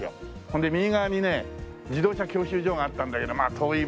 ほんで右側にね自動車教習所があったんだけどまあ遠い